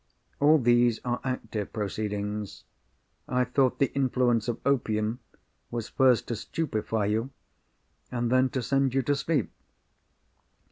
All these are active proceedings. I thought the influence of opium was first to stupefy you, and then to send you to sleep."